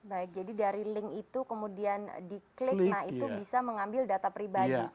baik jadi dari link itu kemudian diklik nah itu bisa mengambil data pribadi